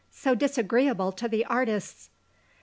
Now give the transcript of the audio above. So disagreeable to the artists."